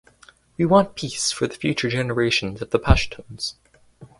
We want peace for the future generations of the Pashtuns.